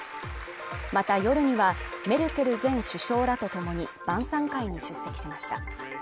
また夜には、メルケル前首相らとともに晩餐会に出席しました。